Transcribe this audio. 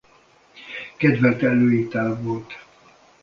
Kedvelt előétel volt.